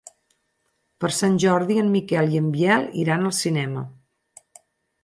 Per Sant Jordi en Miquel i en Biel iran al cinema.